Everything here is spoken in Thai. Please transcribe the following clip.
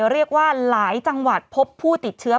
เรียกว่าหลายจังหวัดพบผู้ติดเชื้อ